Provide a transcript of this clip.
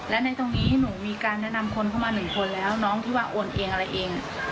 และในตรงนี้หนูมีการแนะนำคนเข้ามาหนึ่งคนแล้วน้องที่ว่าโอนเองอะไรเอง